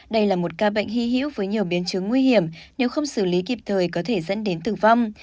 đây là một ca bệnh hy hữu với nhiều biến chứng nguy hiểm nếu không xử lý kịp thời có thể dẫn đến tử vong